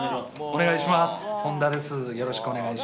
お願いします